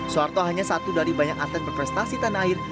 soeharto hanya satu dari banyak atlet berprestasi tanah air